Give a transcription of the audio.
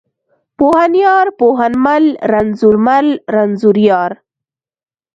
پوهنيار، پوهنمل، رنځورمل، رنځوریار.